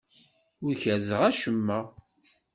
Ur kerrzeɣ acemma.